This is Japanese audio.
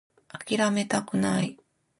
諦めたくない